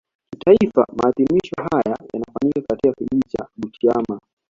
Kitaifa maadhimisho haya yalifanyika katika Kijiji cha Butiama